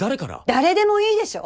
誰でもいいでしょう？